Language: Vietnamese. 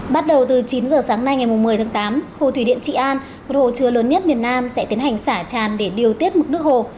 bắt đầu từ chín giờ sáng nay ngày một mươi tháng tám khu thủy điện trị an một hồ chứa lớn nhất miền nam sẽ tiến hành xả tràn để điều tiết mực nước hồ